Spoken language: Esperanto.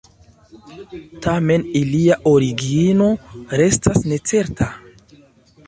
Tamen, ilia origino restas necerta.